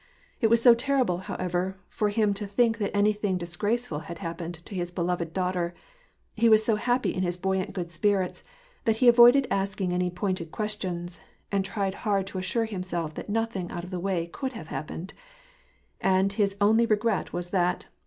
It was so terrible, however, for him to think that anything dis graceful had happened to his beloved daugliter, he was so happy in his buoyant good spirits, that he avoided asking any pointed questions, and tried hard to assure himself that nothing out of the way could have happened, and his only regret was that, on.